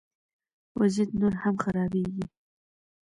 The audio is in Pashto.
وضعیت نور هم خرابیږي